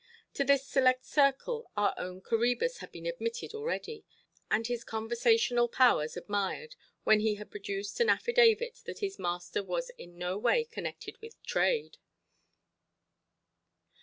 To this select circle our own Coræbus had been admitted already, and his conversational powers admired, when he had produced an affidavit that his master was in no way connected with trade.